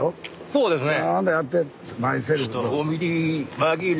そうですね。